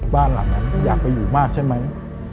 บ้านหลังนั้นอยากไปอยู่มากใช่ไหม